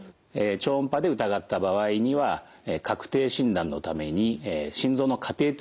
超音波で疑った場合には確定診断のために心臓のカテーテル検査を行います。